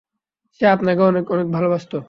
সে আপনাকে, অনেক, অনেক ভালবাসত।